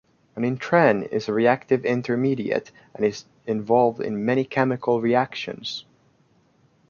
A nitrene is a reactive intermediate and is involved in many chemical reactions.